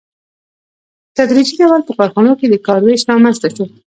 په تدریجي ډول په کارخانو کې د کار وېش رامنځته شو